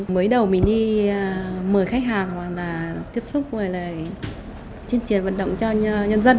mới đầu mình đi mời khách hàng hoặc là tiếp xúc với lại chuyên truyền vận động cho nhân dân